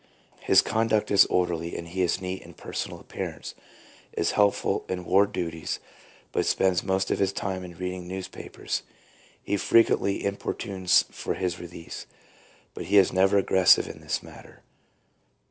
His conduct is orderly, and he is neat in personal appearance, is helpful in ward duties, but spends most of his time in reading news papers. He frequently importunes for his release, but is never aggressive in this matter.